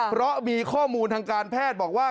เพราะมีข้อมูลทางการแพทย์บอกว่า